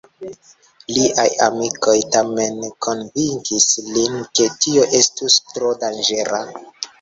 Liaj amikoj tamen konvinkis lin, ke tio estus tro danĝera.